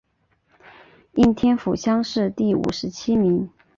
应天府乡试第五十七名。